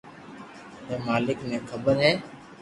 ھي مالڪ ني خبر ھي